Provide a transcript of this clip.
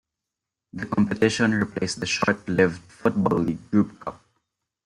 The competition replaced the short-lived Football League Group Cup.